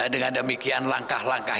dengan demikian langkah langkah